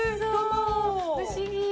不思議！